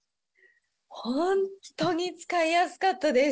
本当に使いやすかったです。